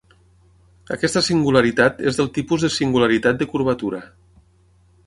Aquesta singularitat és del tipus de singularitat de curvatura.